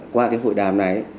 qua cái hội đàm này